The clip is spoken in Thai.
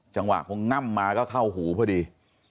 จะว่าเค้าหน้ามมาเข้าหูพอดี